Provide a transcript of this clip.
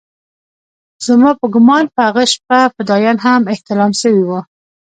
زما په ګومان په هغه شپه فدايان هم احتلام سوي وو.